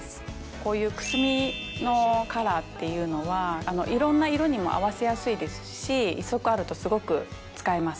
こういうくすみのカラーっていうのはいろんな色にも合わせやすいですし１足あるとすごく使えます。